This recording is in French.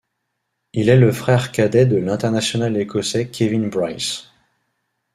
Il est le frère cadet de l'international écossais Kevin Bryce.